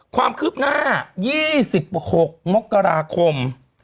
ความคืบหน้า๒๖มกราคม